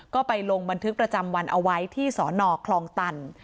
ก็ไปลงบันทึกประจำวันเอาไว้ที่สนคลองตัน